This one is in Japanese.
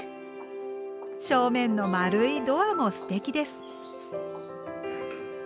正面の丸いドアもすてきです。